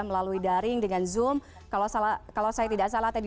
melalui daring dengan zoom kalau saya tidak salah tadi